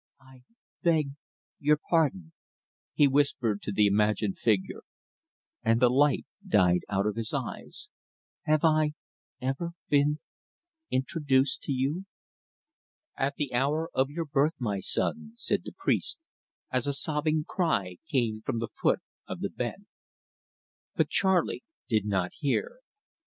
"I beg your pardon," he whispered to the imagined figure, and the light died out of his eyes, "have I ever been introduced to you?" "At the hour of your birth, my son," said the priest, as a sobbing cry came from the foot of the bed. But Charley did not hear.